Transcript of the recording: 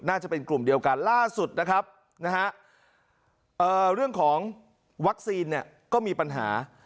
น่าจะเป็นกลุ่มเดียวกันล่าสุดนะครับเรื่องของวัคซีนเนี่ยก็มีปัญหา